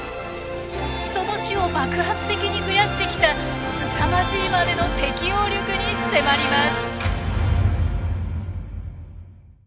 その種を爆発的に増やしてきたすさまじいまでの適応力に迫ります。